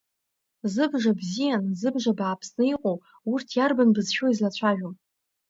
Зыбжа бзиан, зыбжа бааԥсны иҟоу урҭ иарбан бызшәоу излацәажәо?